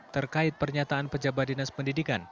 terkait pernyataan pejabat dinas pendidikan